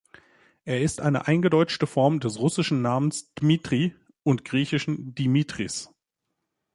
Er ist eine eingedeutschte Form des russischen Namens "Dmitri" und griechischen "Dimitris".